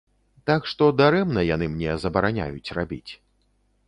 Так што дарэмна яны мне забараняюць рабіць.